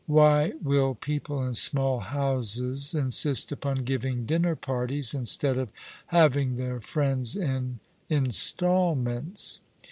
"Why will people in small houses insist upon giving dinner parties, instead of having their friends in instalments